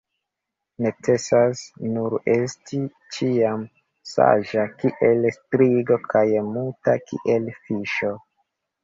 Necesas nur esti ĉiam saĝa kiel strigo kaj muta kiel fiŝo.